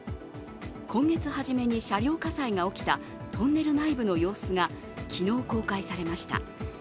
今月初めに車両火災が起きたトンネル内部の様子が昨日、公開されました。